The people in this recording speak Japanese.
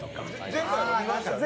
前回も見ましたよね。